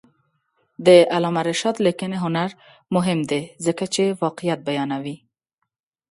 د علامه رشاد لیکنی هنر مهم دی ځکه چې واقعیت بیانوي.